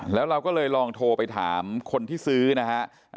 แล้วเราก็เลยลองโทรไปถามคนที่ซื้อนะฮะ